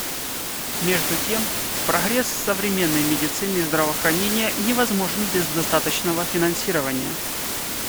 Между тем, прогресс современной медицины и здравоохранения невозможен без достаточного финансирования.